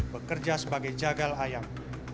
bekerja sebagai jagal ayam